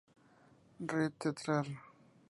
Red Teatral